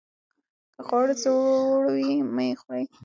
که خواړه زوړ وي مه یې خورئ.